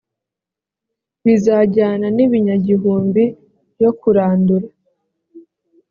bizajyana n ibinyagihumbi yo kurandura